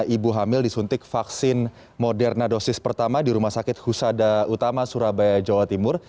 ibu hamil disuntik vaksin moderna dosis pertama di rumah sakit husada utama surabaya jawa timur